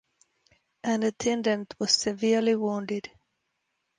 An attendant was severely wounded.